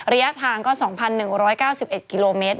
ระยะทางก็๒๑๙๑กิโลเมตร